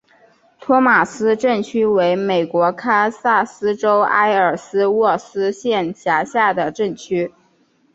托马斯镇区为美国堪萨斯州埃尔斯沃思县辖下的镇区。